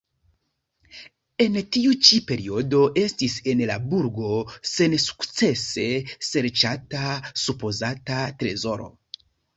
En tiu ĉi periodo estis en la burgo sensukcese serĉata supozata trezoro.